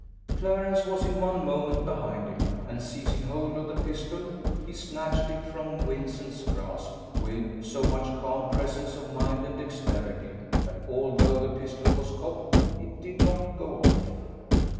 Clarence was in one moment behind him; and, seizing hold of the pistol, he snatched it from Vincent's grasp with so much calm presence of mind and dexterity, that, although the pistol was cocked, it did not go off.